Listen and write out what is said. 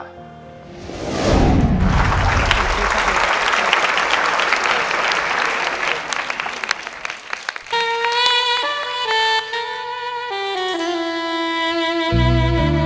โปรดติดตามตอนต่อไป